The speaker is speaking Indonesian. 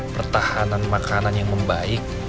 pertahanan makanan yang membaik